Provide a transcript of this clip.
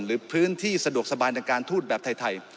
หรือพื้นที่สะดวกสบายในการทูตแบบไทย